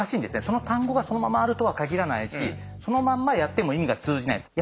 その単語がそのままあるとは限らないしそのまんまやっても意味が通じないです。